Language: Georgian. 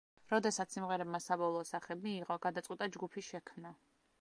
როდესაც სიმღერებმა საბოლოო სახე მიიღო, გადაწყვიტა ჯგუფის შექმნა.